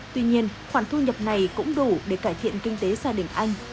tuy nhiên khoản thu nhập này cũng đủ để cải thiện kinh tế gia đình anh